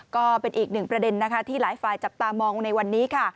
ก็เป็นอีกหนึ่งประเด็นนะคะที่หลายฝ่ายจับตามองในวันนี้ค่ะ